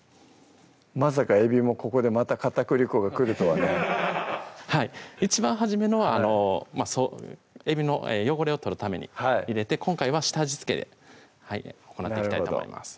まさかえびもここでまた片栗粉が来るとはね一番初めのはえびの汚れを取るために入れて今回は下味付けで行っていきたいと思います